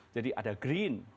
jadi ada green